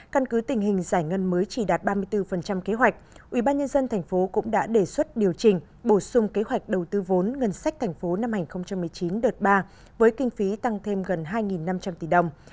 căn cứ tình hình giải ngân mới chỉ đạt ba mươi bốn kế hoạch ubnd tp cũng đã đề xuất điều chỉnh bổ sung kế hoạch đầu tư vốn ngân sách thành phố năm hai nghìn một mươi chín đợt ba với kinh phí tăng thêm gần hai năm trăm linh tỷ đồng